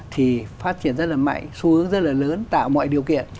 thì phát triển rất là mạnh xu hướng rất là lớn tạo mọi điều kiện